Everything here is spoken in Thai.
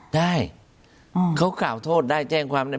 ได้เขากล่าวโทษได้แจ้งความได้